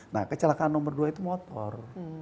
nah kecelakaan nomor dua itu motor